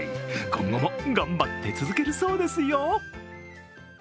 今後も頑張って続けるそうですよ。